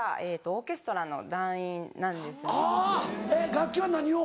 楽器は何を？